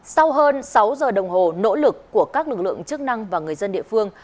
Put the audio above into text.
sau hơn sáu giờ đồng hồ nỗ lực của các lực lượng chức năng và người dân địa phương